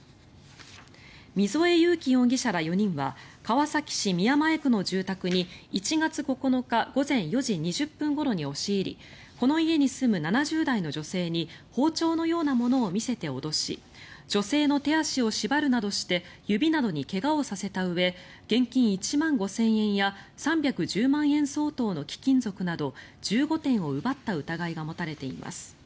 溝江悠樹容疑者ら４人は川崎市宮前区の住宅に１月９日午前４時２０分ごろに押し入りこの家に住む７０代の女性に包丁のようなものを見せて脅し女性の手足を縛るなどして指などに怪我をさせたうえ現金１万５０００円や３１０万円相当の貴金属など１５点を奪った疑いが持たれています。